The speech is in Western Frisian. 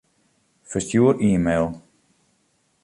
Ferstjoer e-mail.